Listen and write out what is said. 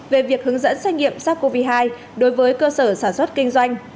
về việc hướng dẫn xét nghiệm sars cov hai đối với cơ sở sản xuất kinh doanh